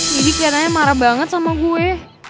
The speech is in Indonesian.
jadi kiananya marah banget sama gue